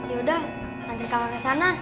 yaudah lanjutkan ke sana